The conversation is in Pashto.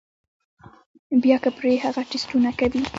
بيا کۀ پرې هغه ټسټونه کوي